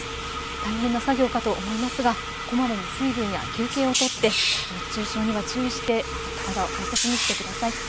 大変な作業かと思いますがこまめに水分や休憩をとって熱中症には注意してお体を大切にしてください。